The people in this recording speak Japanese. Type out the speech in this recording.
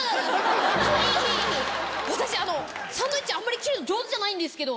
私サンドイッチあんまり切るの上手じゃないんですけど。